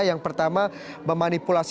yang pertama memanipulasi